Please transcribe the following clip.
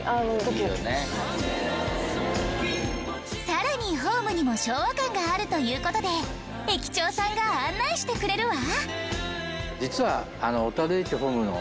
更にホームにも昭和感があるという事で駅長さんが案内してくれるわ！